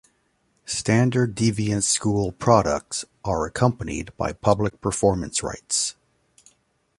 Standard Deviants School products are accompanied by Public Performance Rights.